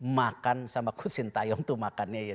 makan sama kusintayong tuh makannya ya